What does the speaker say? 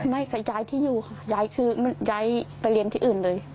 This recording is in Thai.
ไม่ค่ะย้ายที่อยู่ค่ะย้ายคือย้ายไปเรียนที่อื่นเลย